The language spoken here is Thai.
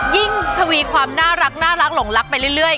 ทวีความน่ารักหลงรักไปเรื่อย